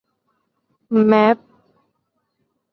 แมป